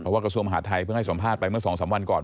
ว่ากระทรวงมหาดไทยเพิ่งให้สัมภาษณ์ไปเมื่อ๒๓วันก่อน